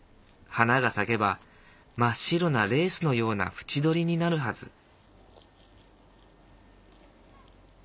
花が咲けば真っ白なレースのような縁取りになるはず。